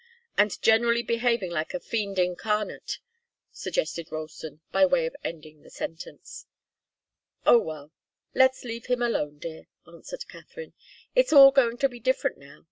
"And generally behaving like a fiend incarnate," suggested Ralston, by way of ending the sentence. "Oh, well let's leave them alone, dear," answered Katharine. "It's all going to be so different now.